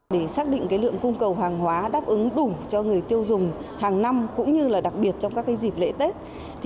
để xác định lượng cung cầu hàng hóa đáp ứng đủ cho người tiêu dùng hàng năm cũng như đặc biệt trong các dịp lễ tết